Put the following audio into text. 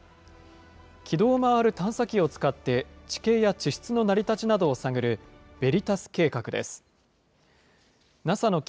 軌道を回る探査機を使って、地形や地質の成り立ちなどを探る、ＶＥＲＩＴＡＳです。